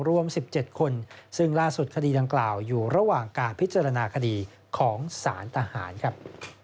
รวม๑๗คนซึ่งล่าสุดคดีดังกล่าวอยู่ระหว่างการพิจารณาคดีของสารทหารครับ